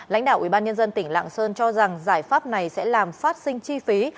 lãnh đạo ubnd tỉnh lạng sơn cho rằng giải pháp này sẽ làm phát sinh chi phí